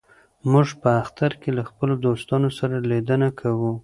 موږ په اختر کې له خپلو دوستانو سره لیدنه کوو.